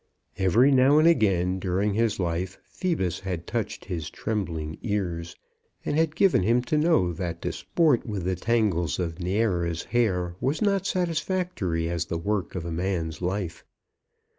Every now and again during his life Phoebus had touched his trembling ears, and had given him to know that to sport with the tangles of Naæra's hair was not satisfactory as the work of a man's life.